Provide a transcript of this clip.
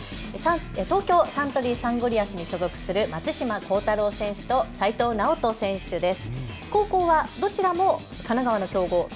東京サントリーサンゴリアスに所属する松島幸太朗選手と齋藤直人選手です。